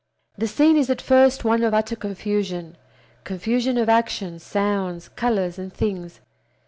The scene is at first one of utter confusion—confusion of action, sounds, colors, and things.